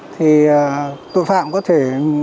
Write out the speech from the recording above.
thì tội phạm có thể